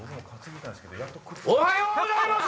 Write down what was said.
おはようございます！